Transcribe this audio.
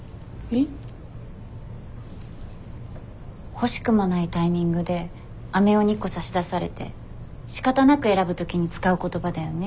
欲しくもないタイミングであめを２個差し出されてしかたなく選ぶ時に使う言葉だよね